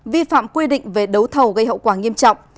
vi phạm quy định về đấu thầu gây hậu quả nghiêm trọng